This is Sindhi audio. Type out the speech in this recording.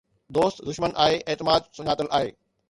دوست دشمن آهي، اعتماد سڃاتل آهي!